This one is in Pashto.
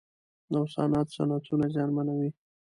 نوسانات صنعتونه زیانمنوي.